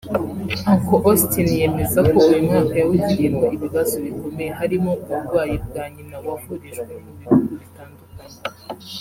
Uncle Austin yemeza ko uyu mwaka yawugiriyemo ibibazo bikomeye harimo uburwayi bwa nyina wavurijwe mu bihugu bitandukanye